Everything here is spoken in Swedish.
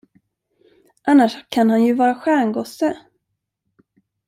Annars kan han ju vara stjärngosse.